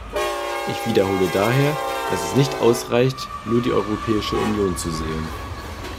Ich wiederhole daher, dass es nicht ausreicht, nur die Europäische Union zu sehen.